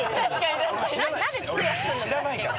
知らないから。